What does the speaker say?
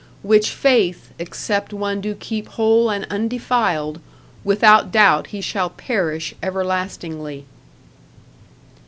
Which faith, except one do keep whole and undefiled; without doubt he shall perish everlastingly.